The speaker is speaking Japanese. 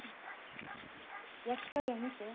焼き加減見て。